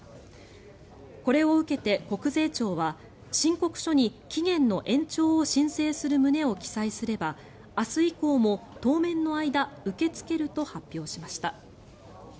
これを受けて国税庁は申告書に期限の延長を申請する旨を記載すれば明日以降も当面の間受け付けると発表しました。